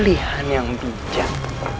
pilihan yang bijak